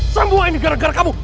semua ini gara gara kamu